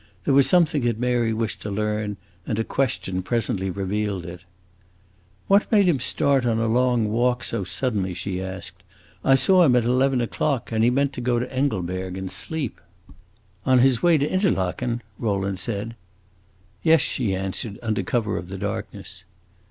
There was something that Mary wished to learn, and a question presently revealed it. "What made him start on a long walk so suddenly?" she asked. "I saw him at eleven o'clock, and then he meant to go to Engelberg, and sleep." "On his way to Interlaken?" Rowland said. "Yes," she answered, under cover of the darkness.